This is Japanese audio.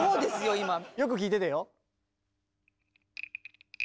よく聴いててよ。